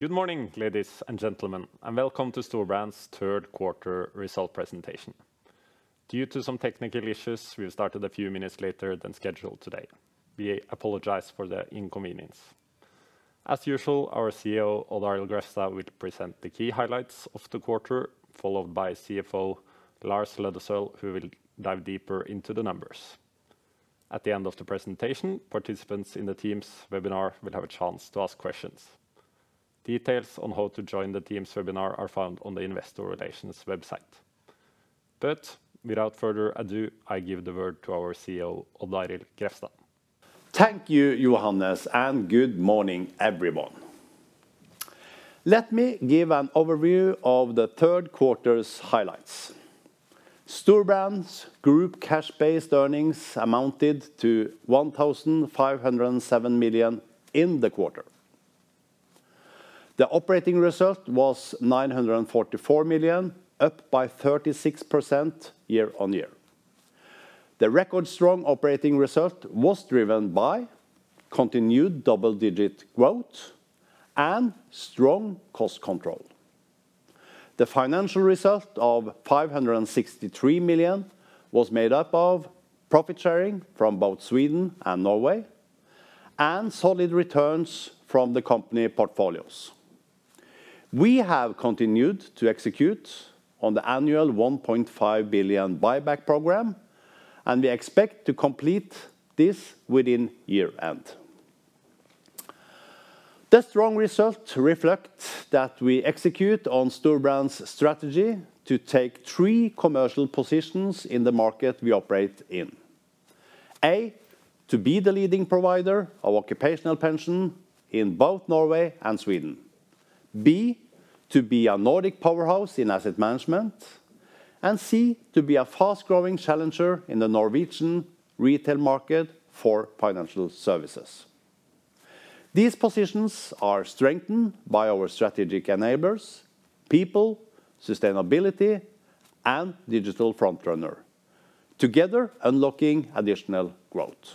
Good morning, ladies and gentlemen, and welcome to Storebrand's third quarter result presentation. Due to some technical issues, we started a few minutes later than scheduled today. We apologize for the inconvenience. As usual, our CEO, Odd Arild Grefstad, will present the key highlights of the quarter, followed by CFO Lars Løddesøl, who will dive deeper into the numbers. At the end of the presentation, participants in the Teams webinar will have a chance to ask questions. Details on how to join the Teams webinar are found on the Investor Relations website. But without further ado, I give the word to our CEO, Odd Arild Grefstad. Thank you, Johannes, and good morning, everyone. Let me give an overview of the third quarter's highlights. Storebrand's group cash-based earnings amounted to 1,507 million in the quarter. The operating result was 944 million, up by 36% year on year. The record strong operating result was driven by continued double-digit growth and strong cost control. The financial result of 563 million was made up of profit sharing from both Sweden and Norway, and solid returns from the company portfolios. We have continued to execute on the annual 1.5 billion buyback program, and we expect to complete this within year-end. The strong result reflects that we execute on Storebrand's strategy to take three commercial positions in the market we operate in. A, to be the leading provider of occupational pension in both Norway and Sweden. B, to be a Nordic powerhouse in asset management, and C, to be a fast-growing challenger in the Norwegian retail market for financial services. These positions are strengthened by our strategic enablers, people, sustainability, and digital front runner, together unlocking additional growth.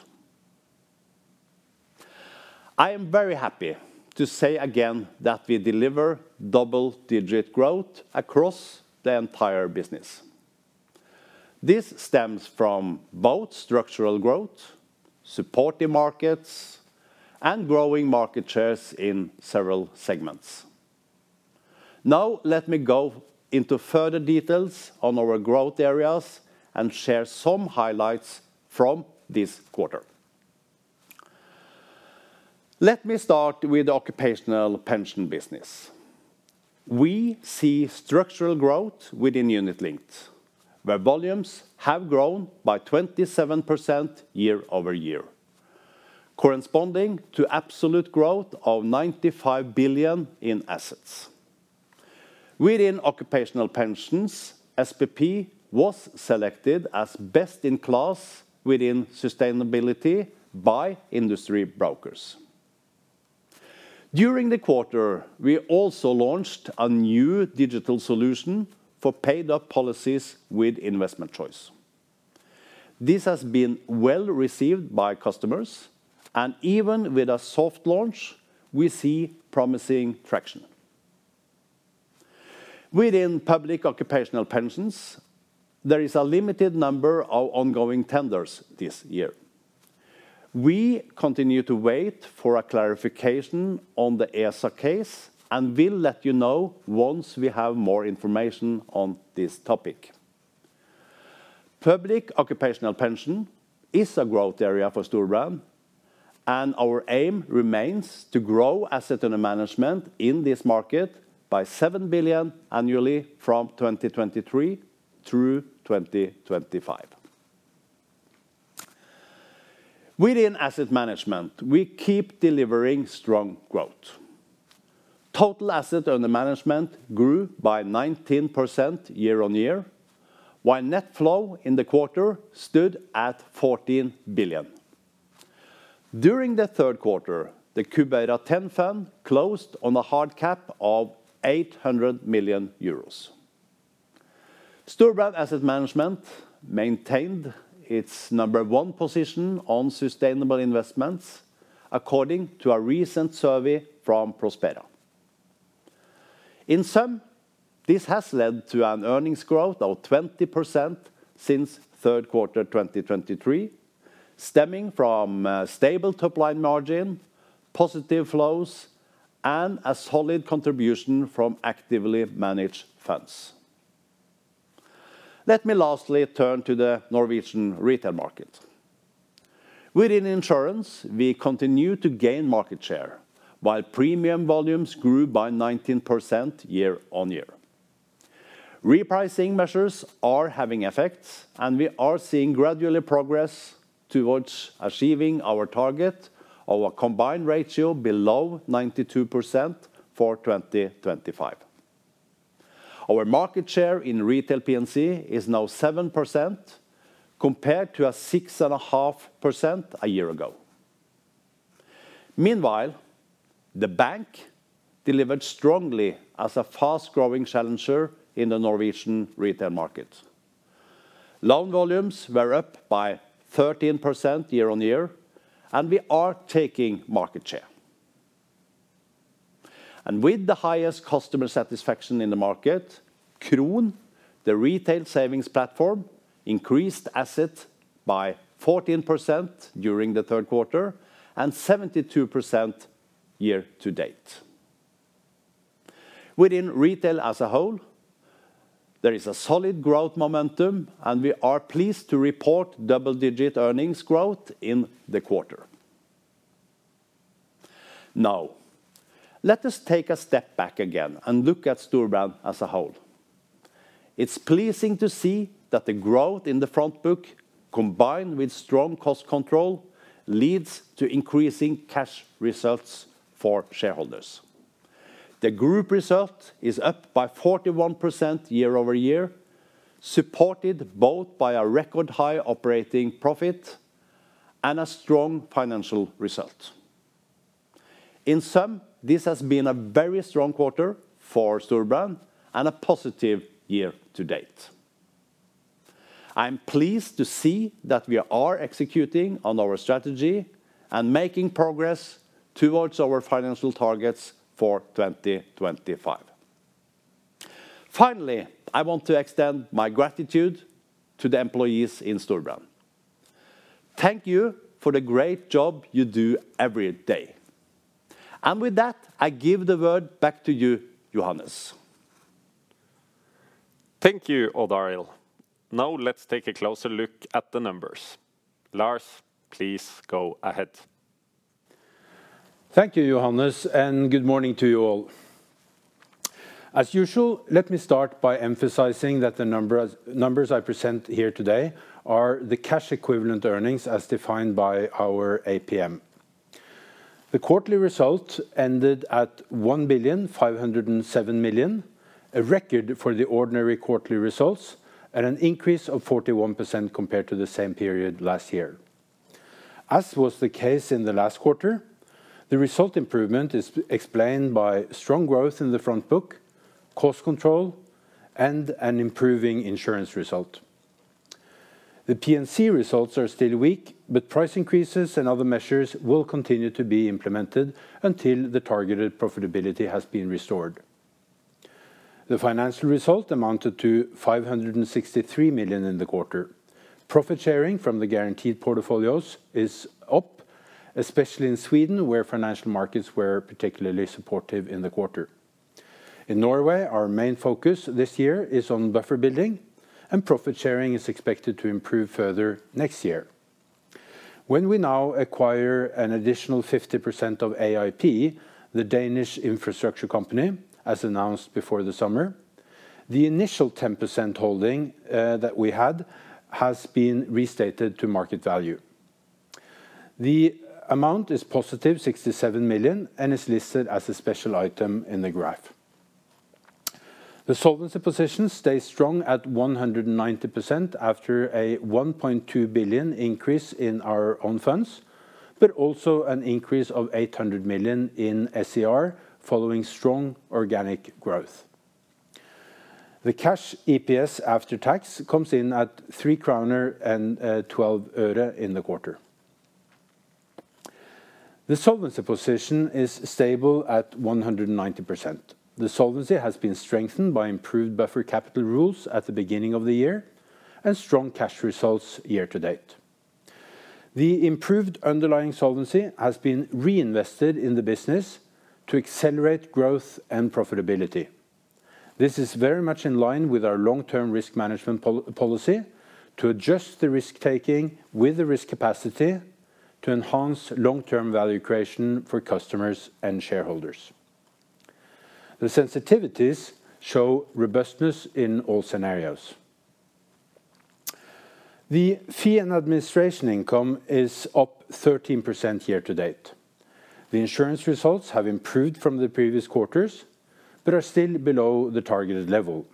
I am very happy to say again that we deliver double-digit growth across the entire business. This stems from both structural growth, supportive markets, and growing market shares in several segments. Now, let me go into further details on our growth areas and share some highlights from this quarter. Let me start with the occupational pension business. We see structural growth within unit linked, where volumes have grown by 27% year-over-year, corresponding to absolute growth of 95 billion in assets. Within occupational pensions, SPP was selected as best in class within sustainability by industry brokers. During the quarter, we also launched a new digital solution for paid-up policies with investment choice. This has been well received by customers, and even with a soft launch, we see promising traction. Within public occupational pensions, there is a limited number of ongoing tenders this year. We continue to wait for a clarification on the ESA case and will let you know once we have more information on this topic. Public occupational pension is a growth area for Storebrand, and our aim remains to grow assets under management in this market by 7 billion annually from 2023 through 2025. Within asset management, we keep delivering strong growth. Total assets under management grew by 19% year on year, while net flow in the quarter stood at 14 billion. During the third quarter, the Cubera X Fund closed on a hard cap of 800 million euros. Storebrand Asset Management maintained its number one position on sustainable investments, according to a recent survey from Prospera. In sum, this has led to an earnings growth of 20% since third quarter 2023, stemming from stable top-line margin, positive flows, and a solid contribution from actively managed funds. Let me lastly turn to the Norwegian retail market. Within insurance, we continue to gain market share, while premium volumes grew by 19% year on year. Repricing measures are having effects, and we are seeing gradual progress towards achieving our target of a combined ratio below 92% for 2025. Our market share in retail P&C is now 7%, compared to a 6.5% a year ago. Meanwhile, the bank delivered strongly as a fast-growing challenger in the Norwegian retail market. Loan volumes were up by 13% year on year, and we are taking market share, with the highest customer satisfaction in the market. Kron, the retail savings platform, increased asset by 14% during the third quarter, and 72% year to date. Within retail as a whole, there is a solid growth momentum, and we are pleased to report double-digit earnings growth in the quarter. Now, let us take a step back again and look at Storebrand as a whole. It's pleasing to see that the growth in the front book, combined with strong cost control, leads to increasing cash results for shareholders. The group result is up by 41% year-over-year, supported both by a record high operating profit and a strong financial result. In sum, this has been a very strong quarter for Storebrand and a positive year to date. I'm pleased to see that we are executing on our strategy and making progress towards our financial targets for 2025. Finally, I want to extend my gratitude to the employees in Storebrand. Thank you for the great job you do every day, and with that, I give the word back to you, Johannes. Thank you, Odd Arild. Now, let's take a closer look at the numbers. Lars, please go ahead. Thank you, Johannes, and good morning to you all. As usual, let me start by emphasizing that the numbers I present here today are the cash equivalent earnings, as defined by our APM. The quarterly result ended at 1.507 billion, a record for the ordinary quarterly results, and an increase of 41% compared to the same period last year. As was the case in the last quarter, the result improvement is explained by strong growth in the front book, cost control, and an improving insurance result. The P&C results are still weak, but price increases and other measures will continue to be implemented until the targeted profitability has been restored. The financial result amounted to 563 million in the quarter. Profit sharing from the guaranteed portfolios is up, especially in Sweden, where financial markets were particularly supportive in the quarter. In Norway, our main focus this year is on buffer building, and profit sharing is expected to improve further next year. When we now acquire an additional 50% of AIP, the Danish infrastructure company, as announced before the summer, the initial 10% holding that we had has been restated to market value. The amount is positive 67 million, and is listed as a special item in the graph. The solvency position stays strong at 190% after a 1.2 billion increase in our own funds, but also an increase of 800 million in SCR, following strong organic growth. The cash EPS after tax comes in at NOK 3.12 in the quarter. The solvency position is stable at 190%. The solvency has been strengthened by improved buffer capital rules at the beginning of the year, and strong cash results year to date. The improved underlying solvency has been reinvested in the business to accelerate growth and profitability. This is very much in line with our long-term risk management policy to adjust the risk taking with the risk capacity to enhance long-term value creation for customers and shareholders. The sensitivities show robustness in all scenarios. The fee and administration income is up 13% year to date. The insurance results have improved from the previous quarters, but are still below the targeted level.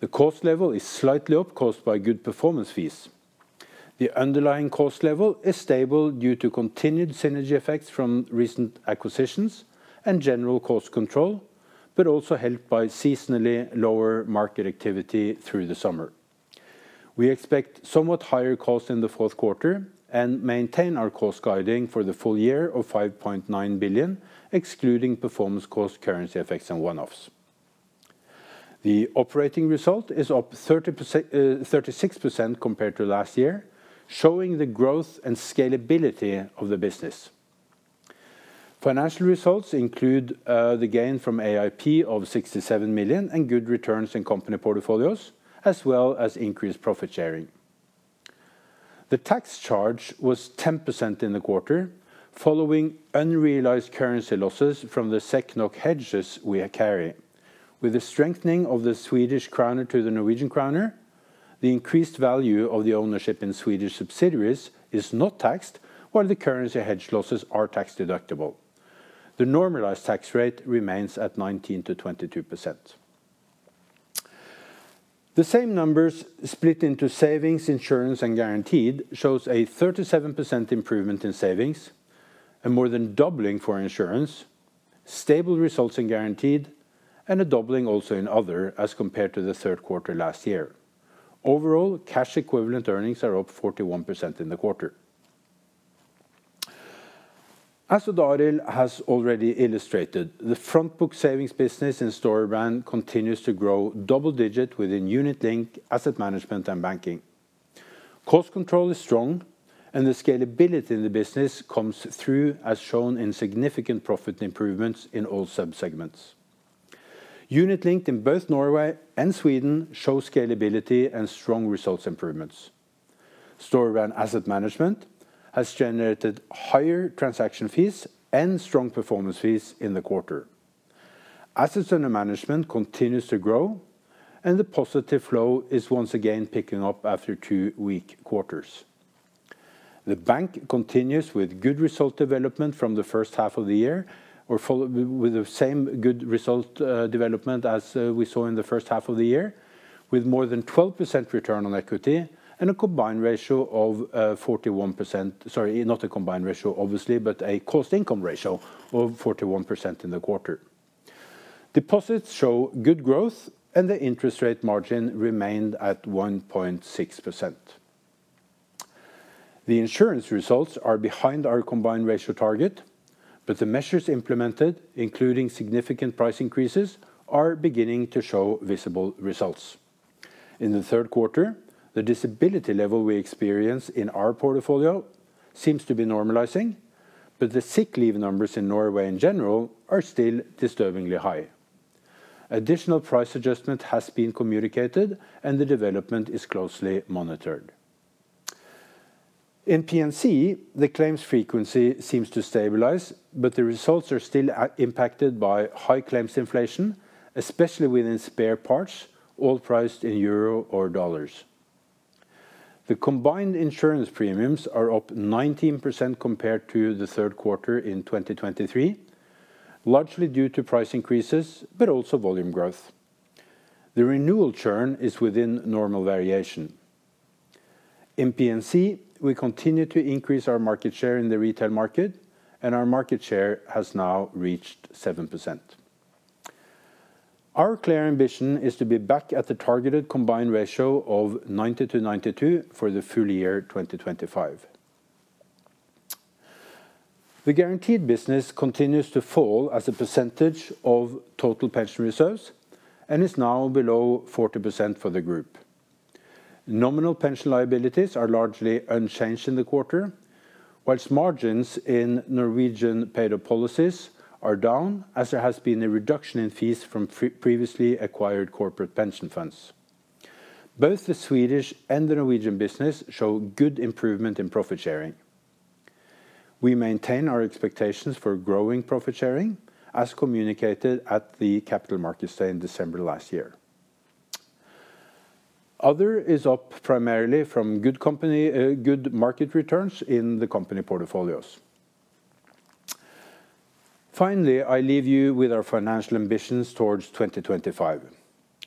The cost level is slightly up, caused by good performance fees. The underlying cost level is stable due to continued synergy effects from recent acquisitions and general cost control, but also helped by seasonally lower market activity through the summer. We expect somewhat higher costs in the fourth quarter and maintain our cost guiding for the full year of 5.9 billion, excluding performance, cost, currency effects, and one-offs. The operating result is up 30%, 36% compared to last year, showing the growth and scalability of the business. Financial results include the gain from AIP of 67 million and good returns in company portfolios, as well as increased profit sharing. The tax charge was 10% in the quarter, following unrealized currency losses from the SEK NOK hedges we are carrying. With the strengthening of the Swedish krona to the Norwegian kroner, the increased value of the ownership in Swedish subsidiaries is not taxed, while the currency hedge losses are tax deductible. The normalized tax rate remains at 19%-22%. The same numbers split into savings, insurance, and guaranteed shows a 37% improvement in savings... and more than doubling for insurance, stable results in guaranteed, and a doubling also in other as compared to the third quarter last year. Overall, cash equivalent earnings are up 41% in the quarter. As Odd Arild has already illustrated, the front book savings business in Storebrand continues to grow double digit within unit linked, asset management, and banking. Cost control is strong, and the scalability in the business comes through, as shown in significant profit improvements in all sub-segments. Unit linked in both Norway and Sweden show scalability and strong results improvements. Storebrand asset management has generated higher transaction fees and strong performance fees in the quarter. Assets under management continues to grow, and the positive flow is once again picking up after two weak quarters. The bank continues with good result development from the first half of the year, with the same good result development as we saw in the first half of the year, with more than 12% return on equity and a combined ratio of 41%. Sorry, not a combined ratio, obviously, but a cost income ratio of 41% in the quarter. Deposits show good growth, and the interest rate margin remained at 1.6%. The insurance results are behind our combined ratio target, but the measures implemented, including significant price increases, are beginning to show visible results. In the third quarter, the disability level we experience in our portfolio seems to be normalizing, but the sick leave numbers in Norway in general are still disturbingly high. Additional price adjustment has been communicated, and the development is closely monitored. In P&C, the claims frequency seems to stabilize, but the results are still impacted by high claims inflation, especially within spare parts, all priced in euro or dollars. The combined insurance premiums are up 19% compared to the third quarter in 2023, largely due to price increases, but also volume growth. The renewal churn is within normal variation. In P&C, we continue to increase our market share in the retail market, and our market share has now reached 7%. Our clear ambition is to be back at the targeted Combined Ratio of 90%-92% for the full year 2025. The guaranteed business continues to fall as a percentage of total pension reserves and is now below 40% for the group. Nominal pension liabilities are largely unchanged in the quarter, while margins in Norwegian paid-up policies are down, as there has been a reduction in fees from previously acquired corporate pension funds. Both the Swedish and the Norwegian business show good improvement in profit sharing. We maintain our expectations for growing profit sharing, as communicated at the Capital Markets Day in December last year. Other is up primarily from good company, good market returns in the company portfolios. Finally, I leave you with our financial ambitions towards 2025.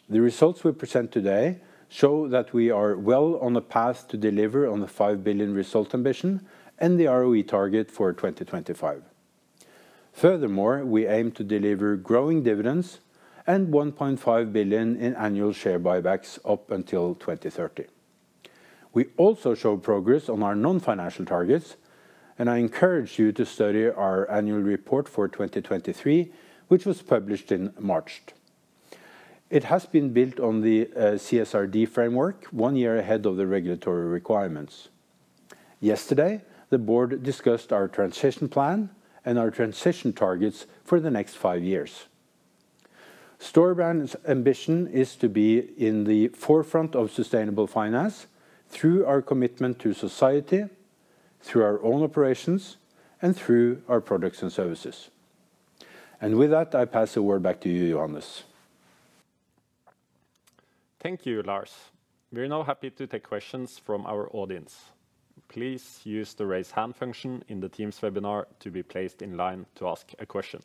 The results we present today show that we are well on the path to deliver on the five billion result ambition and the ROE target for 2025. Furthermore, we aim to deliver growing dividends and one point five billion in annual share buybacks up until 2030. We also show progress on our non-financial targets, and I encourage you to study our annual report for 2023, which was published in March. It has been built on the CSRD framework one year ahead of the regulatory requirements. Yesterday, the board discussed our transition plan and our transition targets for the next five years. Storebrand's ambition is to be in the forefront of sustainable finance through our commitment to society, through our own operations, and through our products and services, and with that, I pass the word back to you, Johannes. Thank you, Lars. We are now happy to take questions from our audience. Please use the Raise Hand function in the Teams webinar to be placed in line to ask a question.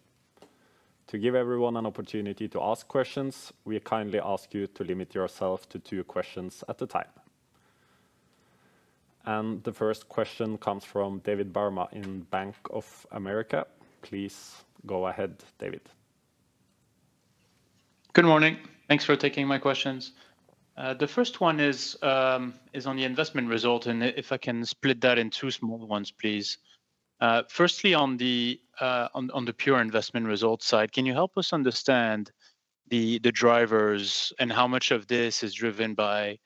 To give everyone an opportunity to ask questions, we kindly ask you to limit yourself to two questions at a time. And the first question comes from David Barma in Bank of America. Please go ahead, David. Good morning. Thanks for taking my questions. The first one is on the investment result, and if I can split that in two small ones, please. Firstly, on the pure investment results side, can you help us understand the drivers and how much of this is driven by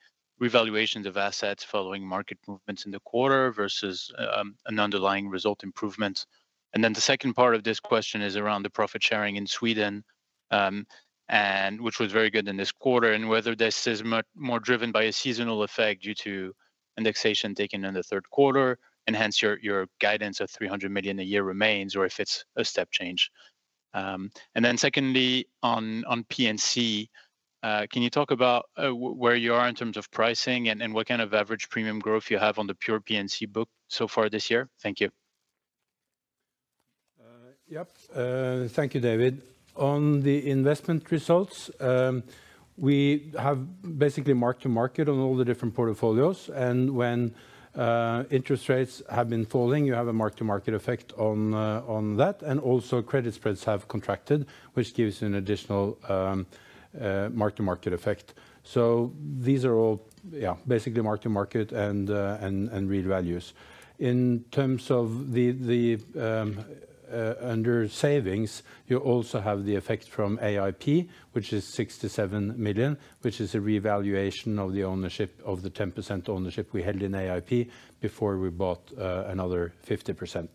revaluations of assets following market movements in the quarter versus an underlying result improvement? And then the second part of this question is around the profit sharing in Sweden, and which was very good in this quarter, and whether this is more driven by a seasonal effect due to indexation taken in the third quarter, and hence, your guidance of three hundred million a year remains, or if it's a step change. And then secondly, on P&C, can you talk about where you are in terms of pricing and what kind of average premium growth you have on the pure P&C book so far this year? Thank you.... Yep, thank you, David. On the investment results, we have basically mark-to-market on all the different portfolios, and when interest rates have been falling, you have a mark-to-market effect on that, and also credit spreads have contracted, which gives an additional mark-to-market effect. So these are all, yeah, basically mark-to-market and revaluations. In terms of the under savings, you also have the effect from AIP, which is 67 million, which is a revaluation of the ownership of the 10% ownership we held in AIP before we bought another 50%.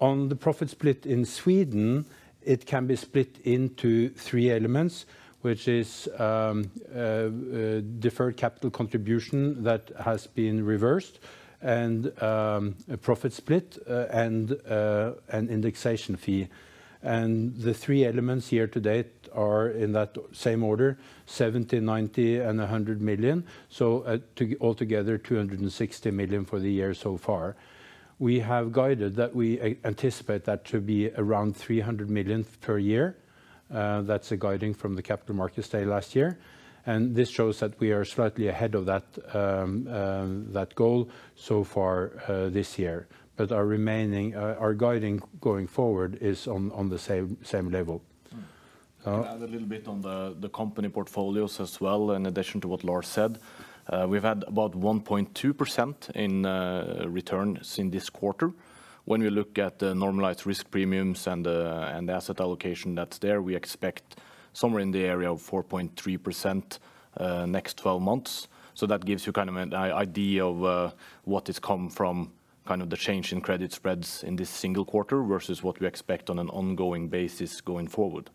On the profit split in Sweden, it can be split into three elements, which is Deferred Capital Contribution that has been reversed, and a profit split, and an indexation fee. And the three elements year to date are in that same order, 70 million, 90 million, and 100 million, so, altogether, 260 million for the year so far. We have guided that we anticipate that to be around 300 million per year. That's a guiding from the capital markets day last year, and this shows that we are slightly ahead of that goal so far this year. But our guiding going forward is on the same level. To add a little bit on the company portfolios as well, in addition to what Lars said, we've had about 1.2% in returns in this quarter. When we look at the normalized risk premiums and the asset allocation that's there, we expect somewhere in the area of 4.3% next twelve months. So that gives you kind of an idea of what has come from kind of the change in credit spreads in this single quarter, versus what we expect on an ongoing basis going forward.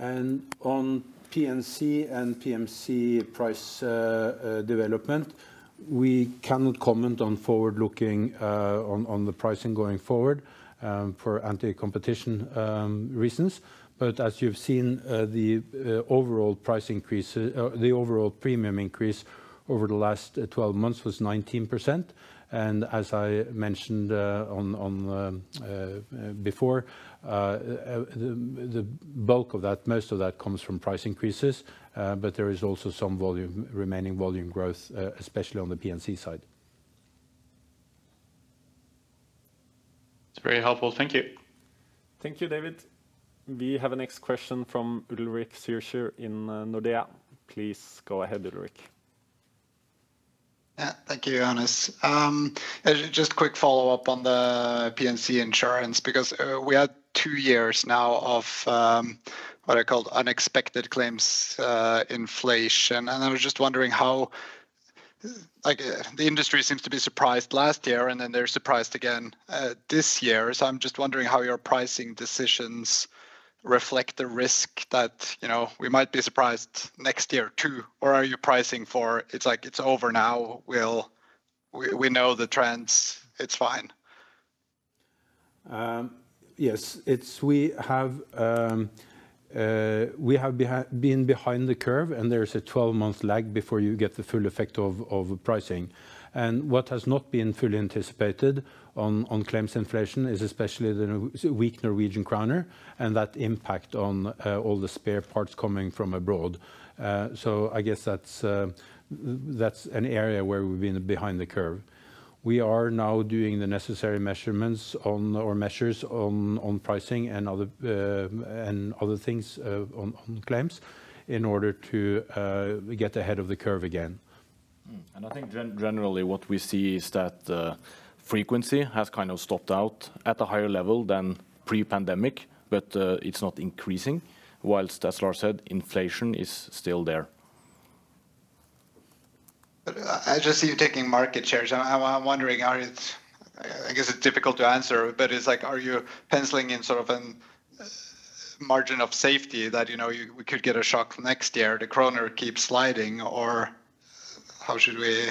On P&C and P&C price development, we cannot comment on forward-looking pricing going forward for anticompetitive reasons. As you've seen, the overall price increase, the overall premium increase over the last 12 months was 19%, and as I mentioned before, the bulk of that, most of that comes from price increases, but there is also some remaining volume growth, especially on the P&C side. It's very helpful. Thank you. Thank you, David. We have a next question from Ulrik Zürcher in Nordea. Please go ahead, Ulrik. Yeah, thank you, Johannes. Just a quick follow-up on the P&C Insurance, because we had two years now of what I call unexpected claims inflation, and I was just wondering how... Like, the industry seems to be surprised last year, and then they're surprised again this year. So I'm just wondering how your pricing decisions reflect the risk that, you know, we might be surprised next year, too? Or are you pricing for, it's like, it's over now, we know the trends, it's fine. Yes, we have been behind the curve, and there is a 12-month lag before you get the full effect of pricing. What has not been fully anticipated on claims inflation is especially the weak Norwegian kroner and that impact on all the spare parts coming from abroad, so I guess that's an area where we've been behind the curve. We are now doing the necessary measurements on, or measures on pricing and other things on claims in order to get ahead of the curve again. Mm-hmm. And I think generally, what we see is that frequency has kind of stopped out at a higher level than pre-pandemic, but it's not increasing, while, as Lars said, inflation is still there. But I just see you taking market shares, and I'm wondering, are you... I guess it's difficult to answer, but it's like, are you penciling in sort of a margin of safety that, you know, we could get a shock next year, the kroner keeps sliding, or how should we-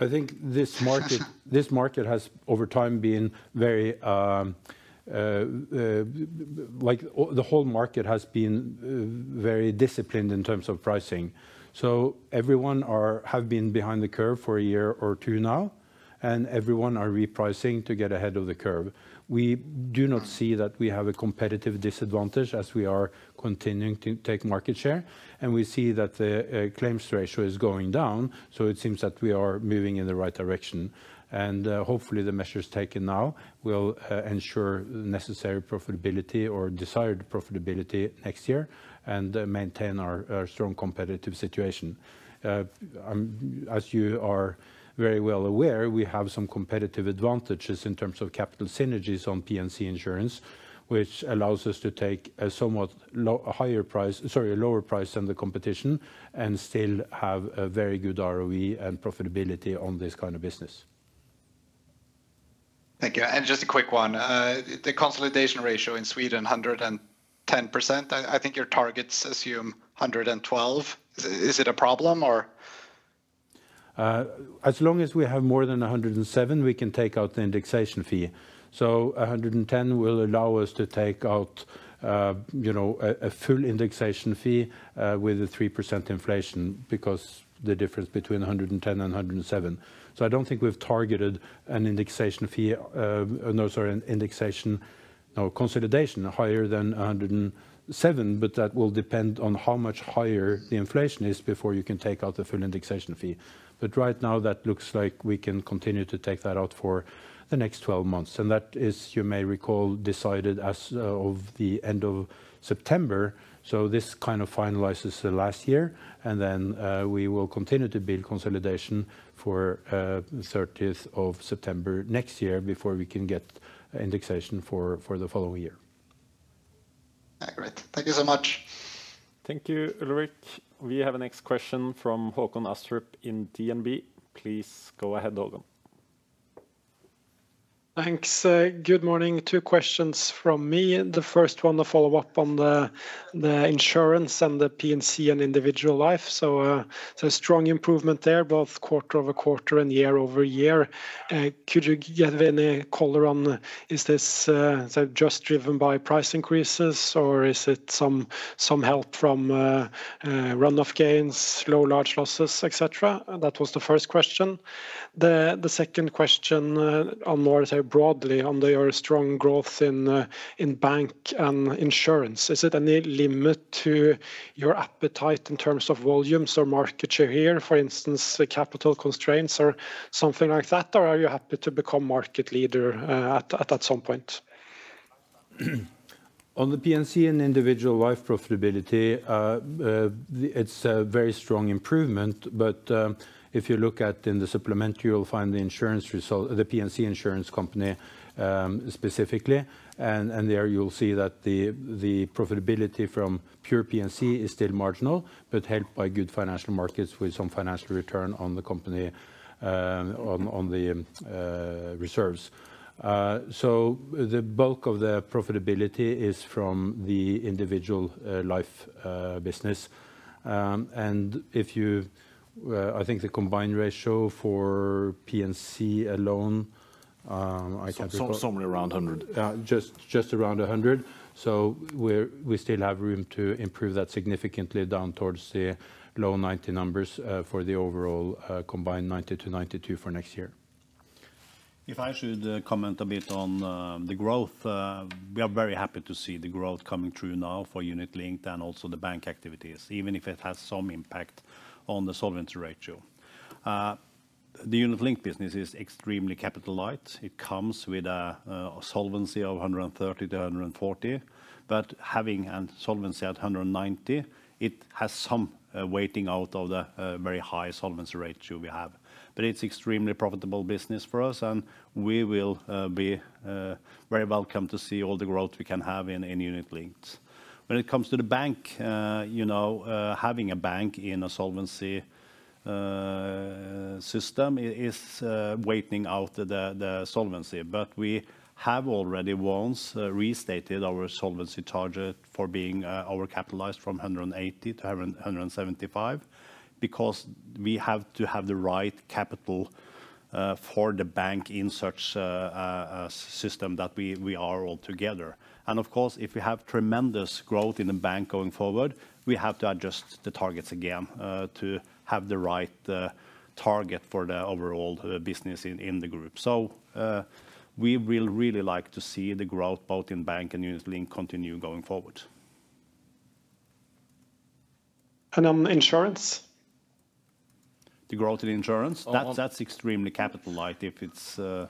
I think this market has over time been very the whole market has been very disciplined in terms of pricing. So everyone have been behind the curve for a year or two now, and everyone are repricing to get ahead of the curve. We do not see that we have a competitive disadvantage as we are continuing to take market share, and we see that the claims ratio is going down, so it seems that we are moving in the right direction. Hopefully, the measures taken now will ensure the necessary profitability or desired profitability next year, and maintain our strong competitive situation. As you are very well aware, we have some competitive advantages in terms of capital synergies on P&C Insurance, which allows us to take a lower price than the competition, and still have a very good ROE and profitability on this kind of business. Thank you. And just a quick one, the combined ratio in Sweden, 110%, I think your targets assume 112. Is it a problem or?... as long as we have more than a hundred and seven, we can take out the indexation fee. So a hundred and ten will allow us to take out, you know, a full indexation fee with a 3% inflation, because the difference between a hundred and ten and a hundred and seven. So I don't think we've targeted a consolidation higher than a hundred and seven, but that will depend on how much higher the inflation is before you can take out the full indexation fee. But right now, that looks like we can continue to take that out for the next twelve months, and that is, you may recall, decided as of the end of September. So this kind of finalizes the last year, and then we will continue to build consolidation for 30th of September next year before we can get indexation for the following year. Great. Thank you so much. Thank you, Ulrik. We have a next question from Håkon Astrup in DNB. Please go ahead, Håkon. Thanks, good morning. Two questions from me. The first one, a follow-up on the insurance and the P&C and individual life, so a strong improvement there, both quarter-over-quarter and year-over-year. Could you give any color on, is this just driven by price increases, or is it some help from run of gains, low large losses, et cetera? That was the first question. The second question, on more so broadly on your strong growth in bank and insurance, is it any limit to your appetite in terms of volumes or market share here, for instance, capital constraints or something like that? Or are you happy to become market leader, at some point? On the P&C and individual life profitability, it's a very strong improvement, but if you look at in the supplementary, you'll find the insurance result, the P&C insurance company, specifically, and there you'll see that the profitability from pure P&C is still marginal, but helped by good financial markets with some financial return on the company, on the reserves. So the bulk of the profitability is from the individual life business, and if you... I think the combined ratio for P&C alone, I can- Somewhere around hundred. Yeah, just around a hundred. So we still have room to improve that significantly down towards the low ninety numbers, for the overall, combined ninety to ninety-two for next year. If I should comment a bit on the growth, we are very happy to see the growth coming through now for Unit Linked and also the bank activities, even if it has some impact on the solvency ratio. The Unit Linked business is extremely capital light. It comes with a solvency of 130%-140%, but having a solvency at 190%, it has some weighting out of the very high solvency ratio we have, but it's extremely profitable business for us, and we will be very welcome to see all the growth we can have in Unit Linked. When it comes to the bank, you know, having a bank in a solvency system is weighting out the solvency. But we have already once restated our solvency target for being overcapitalized from 180% to 175%, because we have to have the right capital for the bank in such a system that we are all together. And of course, if we have tremendous growth in the bank going forward, we have to adjust the targets again to have the right target for the overall business in the group. So, we will really like to see the growth, both in bank and Unit Linked, continue going forward. On insurance? The growth in insurance? That's extremely capital light. If it's that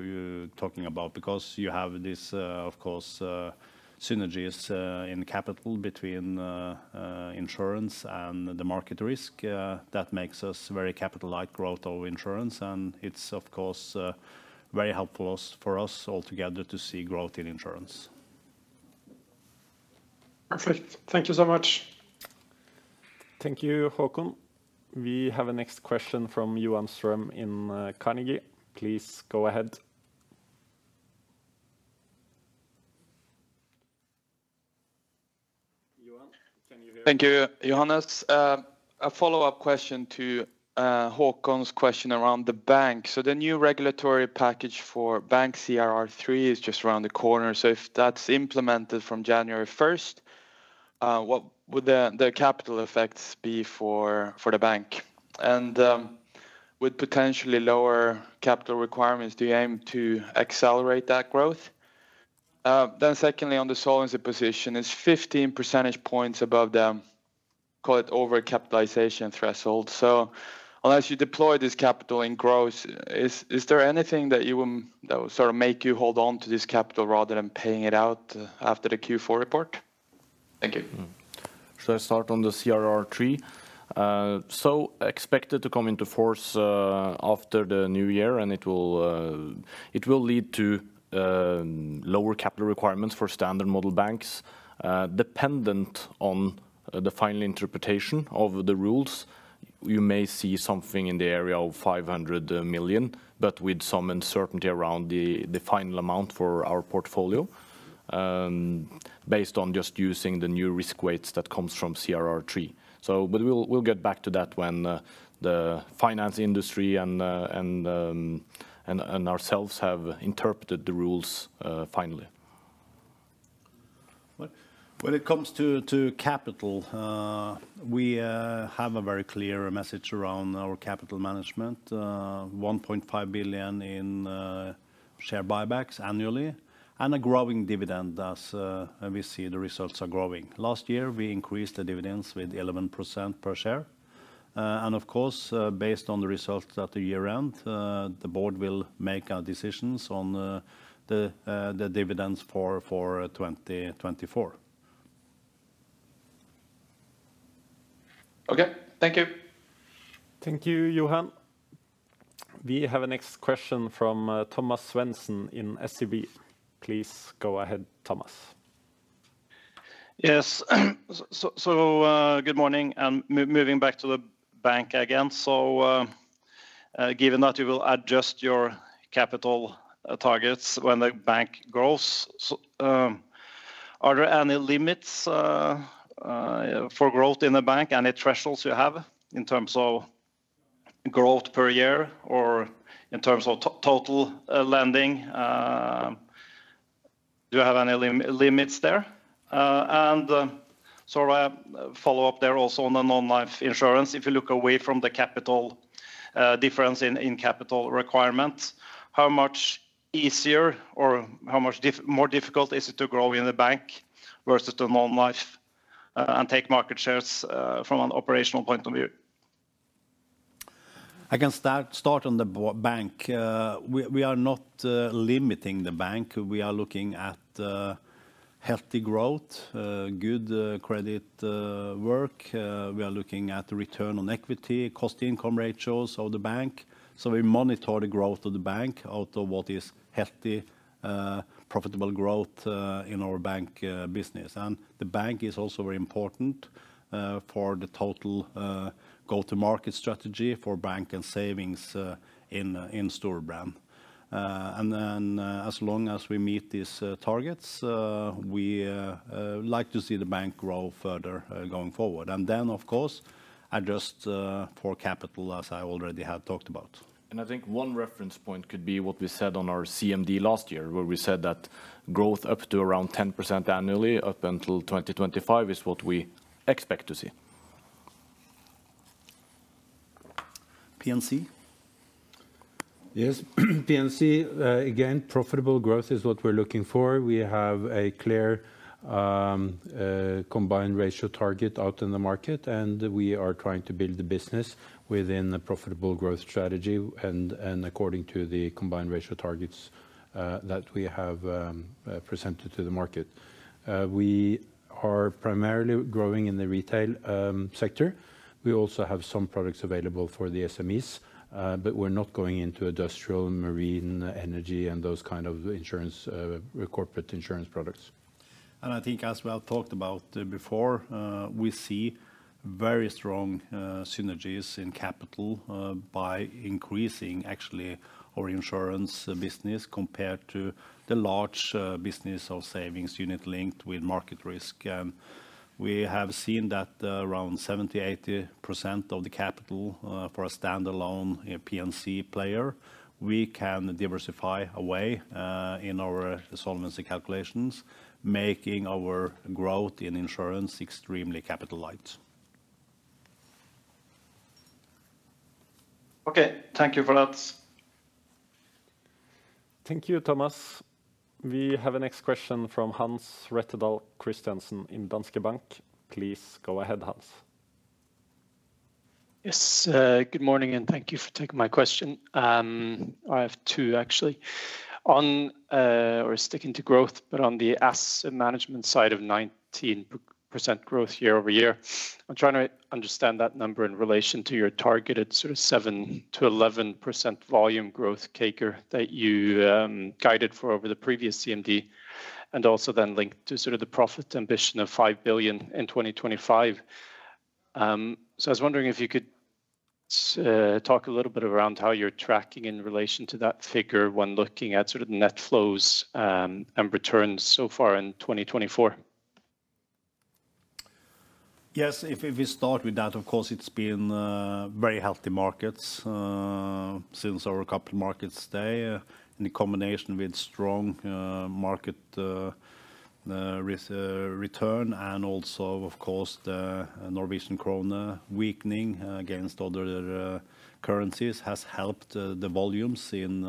you're talking about, because you have this, of course, synergies in capital between insurance and the market risk, that makes us very capital light growth of insurance, and it's of course very helpful for us all together to see growth in insurance. Perfect. Thank you so much. Thank you, Håkon. We have a next question from Johan Strøm in, Carnegie. Please go ahead. Johan, can you hear me? Thank you. Johan, a follow-up question to Håkon's question around the bank. So the new regulatory package for bank CRR3 is just around the corner. So if that's implemented from January first, what would the capital effects be for the bank? And with potentially lower capital requirements, do you aim to accelerate that growth? Then secondly, on the solvency position, it's 15 percentage points above the, call it, overcapitalization threshold. So unless you deploy this capital in growth, is there anything that will sort of make you hold on to this capital rather than paying it out after the Q4 report? Thank you. Should I start on the CRR3? So expected to come into force, it will lead to lower capital requirements for standard model banks, dependent on the final interpretation of the rules. you may see something in the area of 500 million, but with some uncertainty around the final amount for our portfolio, based on just using the new risk weights that comes from CRR3. So but we'll get back to that when the finance industry and ourselves have interpreted the rules, finally. When it comes to capital, we have a very clear message around our capital management. 1.5 billion in share buybacks annually, and a growing dividend as we see the results are growing. Last year, we increased the dividends with 11% per share. And of course, based on the results at the year-end, the board will make decisions on the dividends for 2024. Okay, thank you. Thank you, Johan. We have a next question from Thomas Svendsen in SEB. Please go ahead, Thomas. Yes. So, good morning, and moving back to the bank again. So, given that you will adjust your capital targets when the bank grows, are there any limits for growth in the bank, any thresholds you have in terms of growth per year or in terms of total lending? And a follow-up there also on the non-life insurance, if you look away from the capital difference in capital requirements, how much easier or how much more difficult is it to grow in the bank versus the non-life and take market shares from an operational point of view? I can start on the bank. We are not limiting the bank. We are looking at healthy growth, good credit work. We are looking at the return on equity, cost income ratios of the bank, so we monitor the growth of the bank out of what is healthy profitable growth in our bank business, and the bank is also very important for the total go-to-market strategy for bank and savings in Storebrand, and then as long as we meet these targets, we like to see the bank grow further going forward, and then of course adjust for capital, as I already have talked about. I think one reference point could be what we said on our CMD last year, where we said that growth up to around 10% annually, up until 2025, is what we expect to see. P&C? Yes, P&C, again, profitable growth is what we're looking for. We have a clear, combined ratio target out in the market, and we are trying to build the business within the profitable growth strategy and according to the combined ratio targets, that we have, presented to the market. We are primarily growing in the retail, sector. We also have some products available for the SMEs, but we're not going into industrial, marine, energy, and those kind of insurance, corporate insurance products. And I think as we have talked about before, we see very strong synergies in capital by increasing actually our insurance business compared to the large business or savings unit-linked with market risk. And we have seen that around 70%-80% of the capital for a standalone P&C player we can diversify away in our solvency calculations, making our growth in insurance extremely capital light. Okay, thank you for that. Thank you, Thomas. We have a next question from Hans Rettedal Christiansen in Danske Bank. Please go ahead, Hans. Yes, good morning, and thank you for taking my question. I have two, actually. On, or sticking to growth, but on the asset management side of 19% growth year-over-year, I'm trying to understand that number in relation to your targeted sort of 7%-11% volume growth CAGR that you guided for over the previous CMD, and also then linked to sort of the profit ambition of 5 billion in 2025. So I was wondering if you could talk a little bit around how you're tracking in relation to that figure when looking at sort of net flows, and returns so far in 2024. Yes, if we start with that, of course, it's been very healthy markets since our capital markets day, in combination with strong market return, and also, of course, the Norwegian kroner weakening against other currencies, has helped the volumes in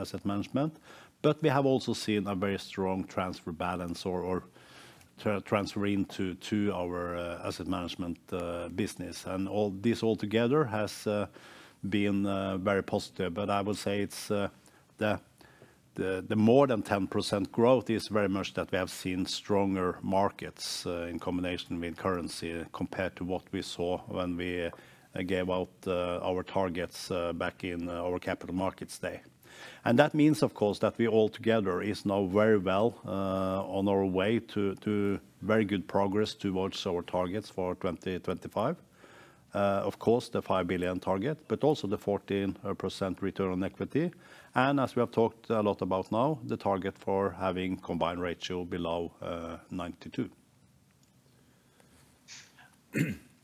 asset management. But we have also seen a very strong transfer balance or transfer into our asset management business. And all this altogether has been very positive. But I would say it's the more than 10% growth is very much that we have seen stronger markets in combination with currency, compared to what we saw when we gave out our targets back in our capital markets day. And that means, of course, that we altogether is now very well on our way to very good progress towards our targets for 2025. of course, the 5 billion target, but also the 14% return on equity, and as we have talked a lot about now, the target for having combined ratio below 92.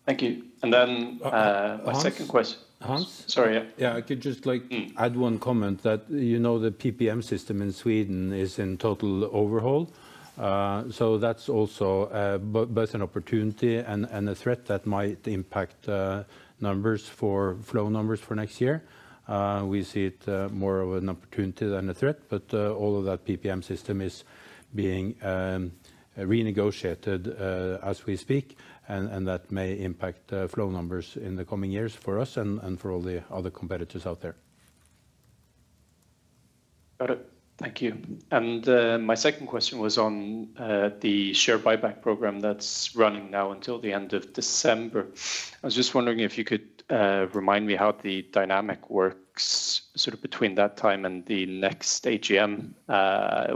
Thank you. And then, Hans? My second question- Hans? Sorry, yeah. Yeah, I could just like- Mm... add one comment that, you know, the PPM system in Sweden is in total overhaul. So that's also both an opportunity and a threat that might impact numbers for flow numbers for next year. We see it more of an opportunity than a threat, but all of that PPM system is being renegotiated as we speak, and that may impact flow numbers in the coming years for us and for all the other competitors out there. Got it. Thank you. And, my second question was on the share buyback program that's running now until the end of December. I was just wondering if you could remind me how the dynamic works, sort of between that time and the next AGM.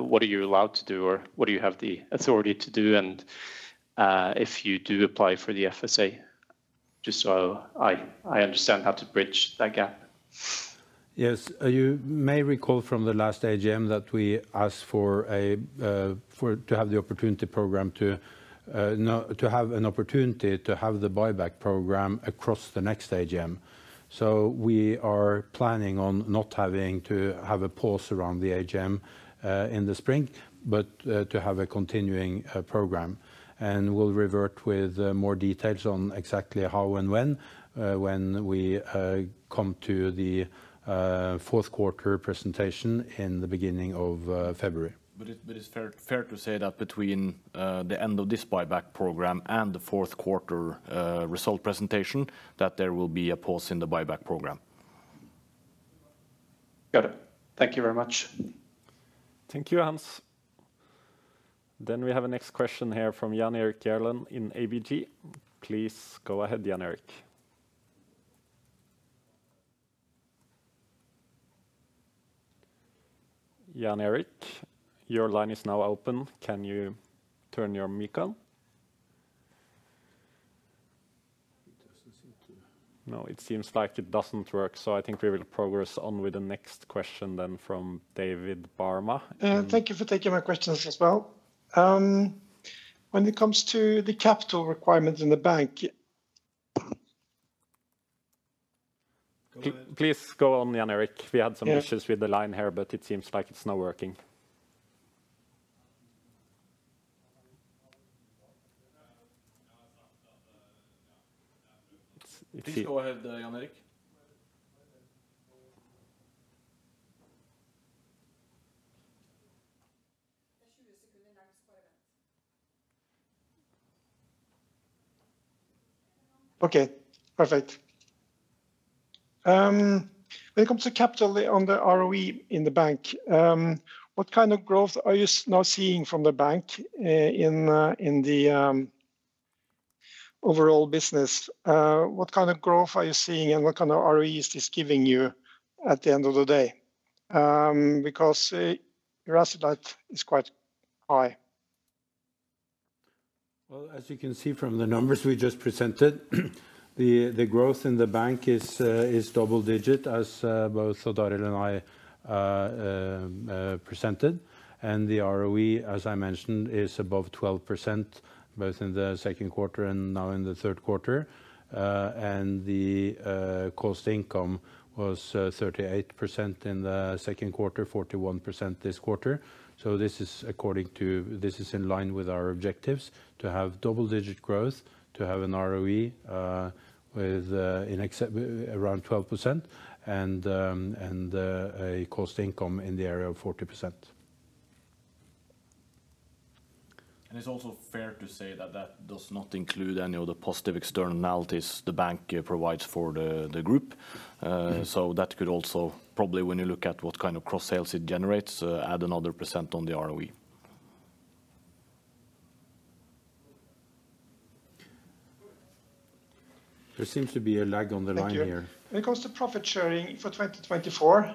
What are you allowed to do or what do you have the authority to do? And, if you do apply for the FSA, just so I understand how to bridge that gap. Yes. You may recall from the last AGM that we asked to have the opportunity to have the buyback program across the next AGM. So we are planning on not having to have a pause around the AGM in the spring, but to have a continuing program. And we'll revert with more details on exactly how and when, when we come to the fourth quarter presentation in the beginning of February. It's fair to say that between the end of this buyback program and the fourth quarter result presentation, that there will be a pause in the buyback program. Got it. Thank you very much. Thank you, Hans. Then we have a next question here from Jan Erik Gjerland in ABG. Please go ahead, Jan Erik. Jan Erik, your line is now open. Can you turn your mic on? He doesn't seem to- No, it seems like it doesn't work, so I think we will progress on with the next question then from David Barma. Thank you for taking my questions as well. When it comes to the capital requirements in the bank, go ahead. Please go on, Jan Erik. Yeah. We had some issues with the line here, but it seems like it's now working. Please go ahead, Jan Erik. Okay, perfect. When it comes to capital on the ROE in the bank, what kind of growth are you now seeing from the bank, in the overall business? What kind of growth are you seeing, and what kind of ROE is this giving you at the end of the day? Because see your asset rate is quite high. As you can see from the numbers we just presented, the growth in the bank is double-digit, as both Odd Arild and I presented. The ROE, as I mentioned, is above 12%, both in the second quarter and now in the third quarter. The cost income was 38% in the second quarter, 41% this quarter. This is according to... This is in line with our objectives, to have double-digit growth, to have an ROE with in accept- around 12%, and a cost income in the area of 40%. It's also fair to say that that does not include any of the positive externalities the bank provides for the group. So that could also, probably, when you look at what kind of cross-sales it generates, add another 1% on the ROE. There seems to be a lag on the line here. Thank you. When it comes to profit sharing for 2024...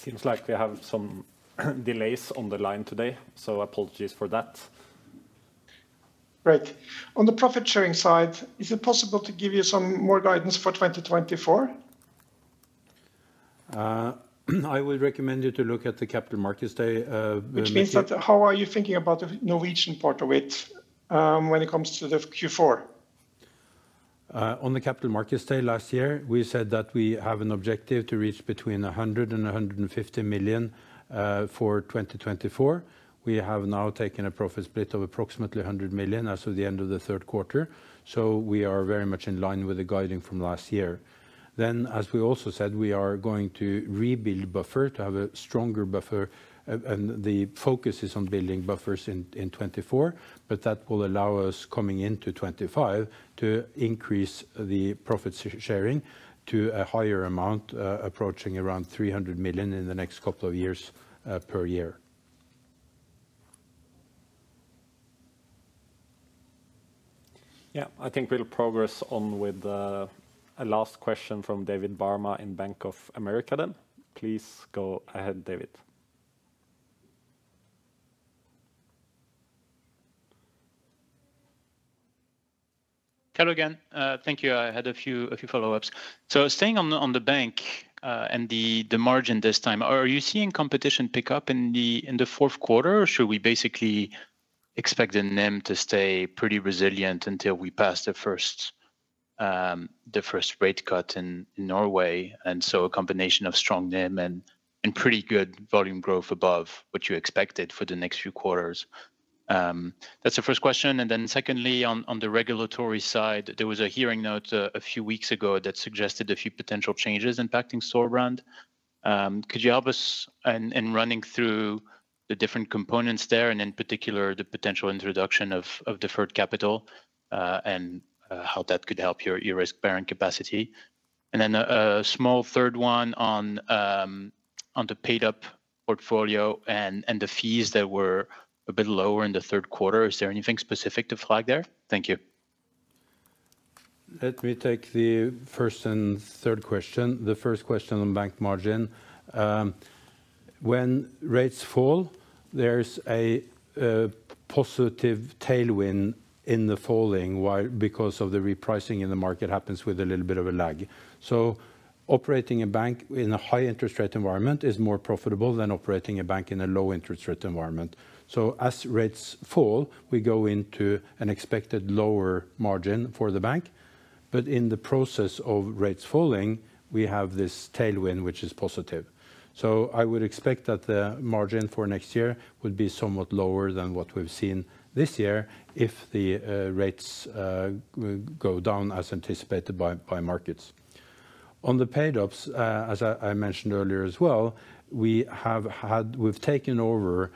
Seems like we have some delays on the line today, so apologies for that. Great. On the profit sharing side, is it possible to give you some more guidance for 2024? I would recommend you to look at the capital markets day, message- Which means that, how are you thinking about the Norwegian part of it, when it comes to the Q4? On the capital markets day last year, we said that we have an objective to reach between a hundred and a hundred and fifty million for 2024. We have now taken a profit split of approximately a hundred million as of the end of the third quarter, so we are very much in line with the guiding from last year. Then, as we also said, we are going to rebuild buffer, to have a stronger buffer, and the focus is on building buffers in 2024, but that will allow us, coming into 2025, to increase the profit sharing to a higher amount, approaching around three hundred million in the next couple of years per year. Yeah, I think we'll progress on with a last question from David Barma in Bank of America then. Please go ahead, David. Hello again. Thank you. I had a few follow-ups. So staying on the bank and the margin this time, are you seeing competition pick up in the fourth quarter? Or should we basically expect the NIM to stay pretty resilient until we pass the first rate cut in Norway, and so a combination of strong NIM and pretty good volume growth above what you expected for the next few quarters? That's the first question. And then secondly, on the regulatory side, there was a hearing note a few weeks ago that suggested a few potential changes impacting Storebrand. Could you help us in running through the different components there, and in particular, the potential introduction of deferred capital and how that could help your risk-bearing capacity? And then a small third one on the paid-up portfolio and the fees that were a bit lower in the third quarter. Is there anything specific to flag there? Thank you. Let me take the first and third question. The first question on bank margin. When rates fall, there's a positive tailwind in the falling because of the repricing in the market happens with a little bit of a lag. So operating a bank in a high interest rate environment is more profitable than operating a bank in a low interest rate environment. So as rates fall, we go into an expected lower margin for the bank, but in the process of rates falling, we have this tailwind, which is positive. So I would expect that the margin for next year would be somewhat lower than what we've seen this year, if the rates go down as anticipated by markets. On the paid ups, as I mentioned earlier as well, we have had, we've taken over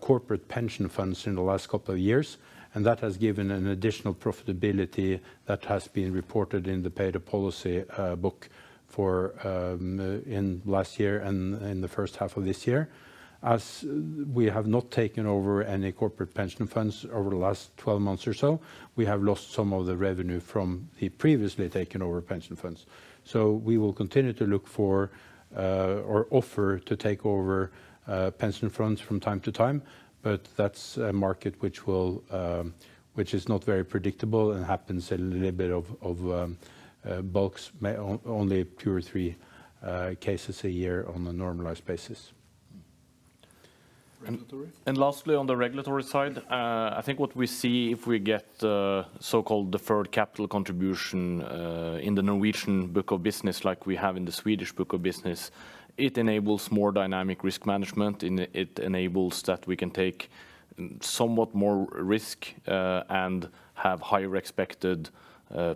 corporate pension funds in the last couple of years, and that has given an additional profitability that has been reported in the paid-up policy book for in last year and in the first half of this year. As we have not taken over any corporate pension funds over the last twelve months or so, we have lost some of the revenue from the previously taken over pension funds. So we will continue to look for or offer to take over pension funds from time to time, but that's a market which is not very predictable and happens in a little bit of bulks, maybe only two or three cases a year on a normalized basis. And lastly, on the regulatory side, I think what we see, if we get the so-called deferred capital contribution in the Norwegian book of business like we have in the Swedish book of business, it enables more dynamic risk management. It enables that we can take somewhat more risk, and have higher expected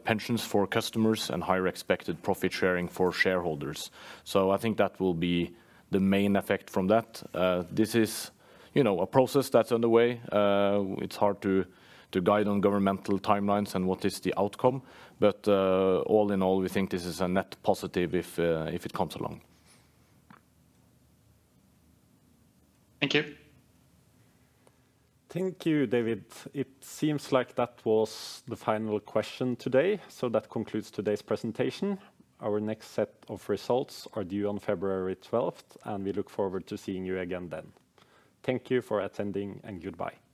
pensions for customers and higher expected profit sharing for shareholders. So I think that will be the main effect from that. This is, you know, a process that's underway. It's hard to guide on governmental timelines and what is the outcome, but all in all, we think this is a net positive if it comes along. Thank you. Thank you, David. It seems like that was the final question today, so that concludes today's presentation. Our next set of results are due on February 12th, and we look forward to seeing you again then. Thank you for attending, and goodbye.